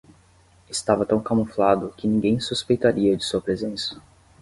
Estava tão camuflado que ninguém suspeitaria de sua presença.